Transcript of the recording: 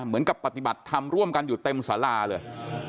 เหมือนกับปฏิบัติธรรมร่วมกันอยู่เต็มศาลาเลย